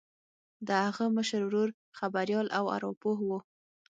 د هغه مشر ورور خبریال او ارواپوه و